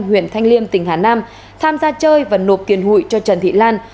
huyện thanh liêm tỉnh hà nam tham gia chơi và nộp tiền hụi cho trần thị lan